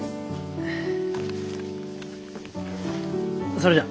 それじゃ。